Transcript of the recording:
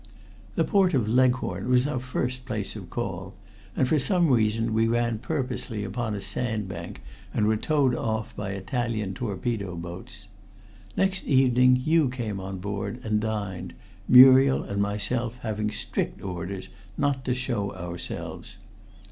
"The port of Leghorn was our first place of call, and for some reason we ran purposely upon a sandbank and were towed off by Italian torpedo boats. Next evening you came on board and dined, Muriel and myself having strict orders not to show ourselves.